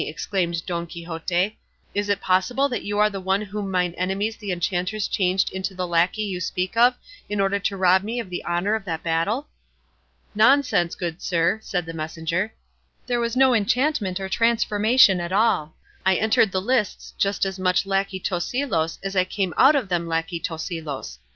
exclaimed Don Quixote; "is it possible that you are the one whom mine enemies the enchanters changed into the lacquey you speak of in order to rob me of the honour of that battle?" "Nonsense, good sir!" said the messenger; "there was no enchantment or transformation at all; I entered the lists just as much lacquey Tosilos as I came out of them lacquey Tosilos.